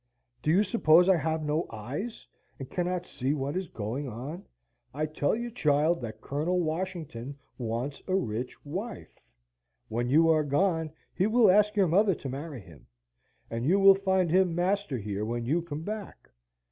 "Do you suppose I have no eyes, and cannot see what is going on? I tell you, child, that Colonel Washington wants a rich wife. When you are gone, he will ask your mother to marry him, and you will find him master here when you come back.